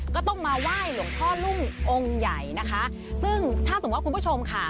ก็ต้องมาไหว้หลวงพ่อรุ่งองค์ใหญ่นะคะซึ่งถ้าสมมุติว่าคุณผู้ชมค่ะ